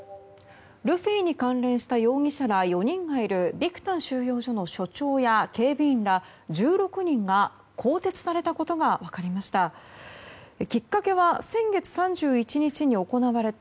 ルフィに関連した容疑者ら４人がいるビクタン収容所の所長や警備員ら１６人が更迭されたことが分かりました。